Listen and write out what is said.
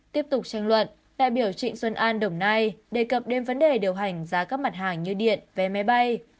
tiếp tục tranh luận đại biểu trịnh xuân an đồng nai đề cập đến vấn đề điều hành giá các mặt hàng như điện vé máy bay